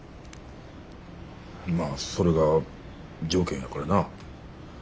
まあそれが条件やからな。